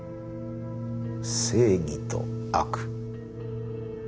正義と悪。